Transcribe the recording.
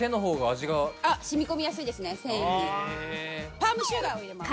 パームシュガーを入れます。